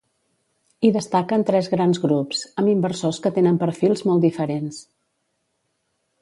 Hi destaquen tres grans grups, amb inversors que tenen perfils molt diferents.